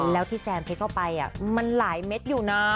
แล้วที่แซมเพชรเข้าไปมันหลายเม็ดอยู่นะ